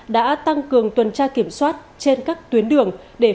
đã tăng cường tuần tra kiểm soát trên các tuyến đường